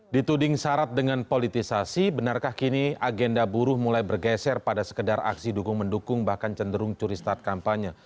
dituding syarat dengan politisasi benarkah kini agenda buruh mulai bergeser pada sekedar aksi dukung mendukung bahkan cenderung curi start kampanye